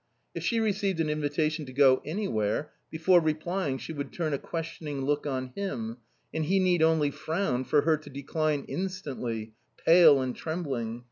If she received an invitation to go anywhere, before replying she would turn a questioning look on him, and he need only frown for her to decline instantly, pale and trembling.